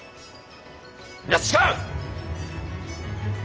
いや違う！